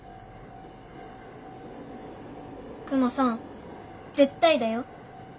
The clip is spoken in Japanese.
クマさん絶対だよ。